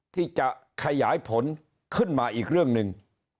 ที่จะขยายผลขึ้นมาอีกเรื่องหนึ่ง